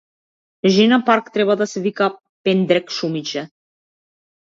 Жена парк треба да се вика пендрек шумиче!